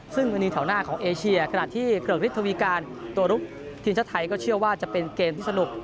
ซึ่งวันนี้แถวหน้าของเอเชียขณะที่เกลือกฤทธวีการตัวลุกทีมชาติไทยก็เชื่อว่าจะเป็นเกมที่สนุก